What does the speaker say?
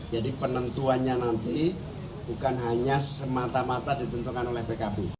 jadi penentuannya nanti bukan hanya semata mata ditentukan oleh pkb